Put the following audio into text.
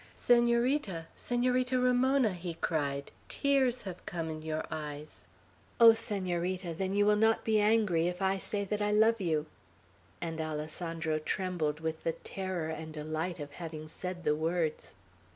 "Senorita! Senorita Ramona!" he cried, "tears have come in your eyes! O Senorita, then you will not be angry if I say that I love you!" and Alessandro trembled with the terror and delight of having said the words.